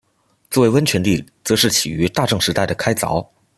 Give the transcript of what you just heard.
作为温泉地则是起于大正时代的开凿。